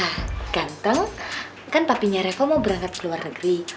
nah ganteng kan papinya reko mau berangkat ke luar negeri